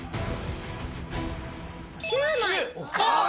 ９枚。